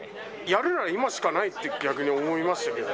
やるなら今しかないって、逆に思いましたけど。